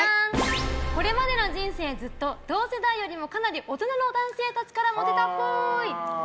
これまでの人生ずっと同世代よりもかなり大人の男性たちからモテたっぽい。